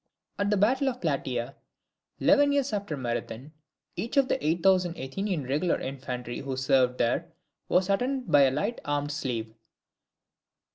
[At the battle of Plataea, eleven years after Marathon, each of the eight thousand Athenian regular infantry who served there, was attended by a light armed slave.